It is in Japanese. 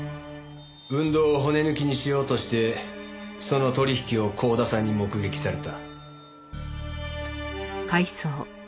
運動を骨抜きにしようとしてその取引を光田さんに目撃された。